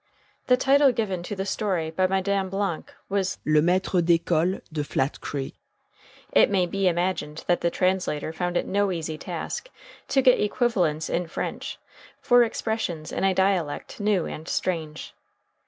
The title given to the story by Madame Blanc was "Le Maître d'École de Flat Creek." It may be imagined that the translator found it no easy task to get equivalents in French for expressions in a dialect new and strange.